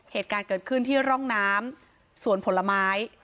เหตุการณ์เกิดขึ้นที่ร่องน้ำสวนผลไม้